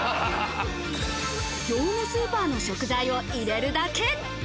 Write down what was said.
業務スーパーの食材を入れるだけ。